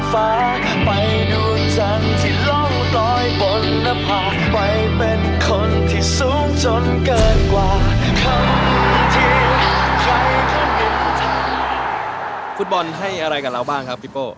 ฟุตบอลให้อะไรกับเราบ้างครับพี่โป้